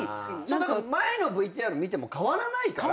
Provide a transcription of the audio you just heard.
前のＶＴＲ見ても変わらないから。